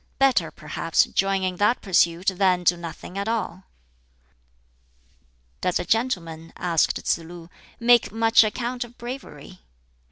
Better, perhaps, join in that pursuit than do nothing at all!" "Does a gentleman," asked Tsz lu, "make much account of bravery?"